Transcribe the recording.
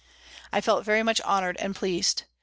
I felt very much honoured and pleased.